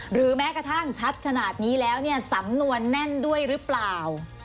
หรือแม้กระทั่งชัดขนาดนี้แล้วเนี่ยสำนวนแน่นด้วยหรือเปล่า